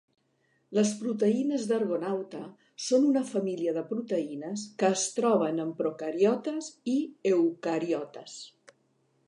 Les proteïnes d'argonauta són una família de proteïnes que es troben en procariotes i eucariotes.